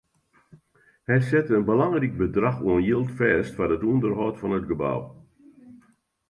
Hy sette in belangryk bedrach oan jild fêst foar it ûnderhâld fan it gebou.